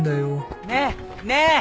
ねえねえ